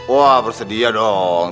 wah bersedia dong